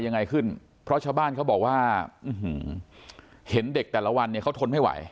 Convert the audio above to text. ยังไงขึ้นเพราะชาวบ้านเขาบอกว่าเห็นเด็กแต่ละวันเนี่ยเขาทนไม่ไหว